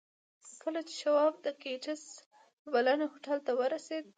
خو کله چې شواب د ګیټس په بلنه هوټل ته ورسېد